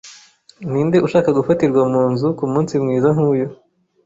Ninde ushaka gufatirwa mu nzu kumunsi mwiza nkuyu?